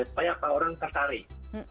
supaya orang tertarik